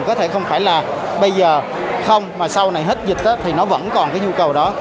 có thể không phải là bây giờ không mà sau này hết dịch thì nó vẫn còn cái nhu cầu đó